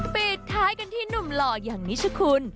ปิดท้ายกันที่หนุ่มหล่ออย่างนิชคุณ